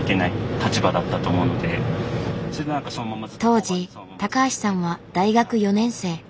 当時高橋さんは大学４年生。